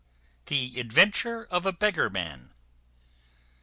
The adventure of a beggar man.